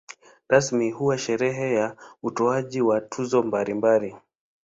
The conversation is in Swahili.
Rasmi huwa sherehe za utoaji wa tuzo mbalimbali.